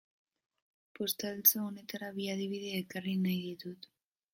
Postaltxo honetara bi adibide ekarri nahi ditut.